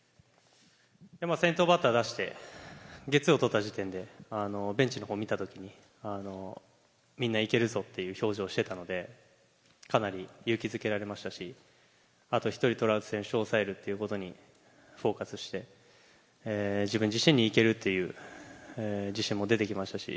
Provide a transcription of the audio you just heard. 先頭バッター出して、ゲッツーを取った時点で、ベンチのほうを見たとき、みんないけるぞっていう表情をしてたので、かなり勇気づけられましたし、あと１人、トラウト選手を抑えるということにフォーカスして、自分自身にいけるっていう、自信も出てきましたし。